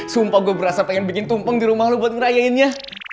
sumpah gue berasa pengen bikin tumpeng di rumah lo buat ngerayainnya